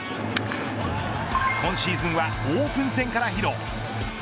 今シーズンはオープン戦から披露。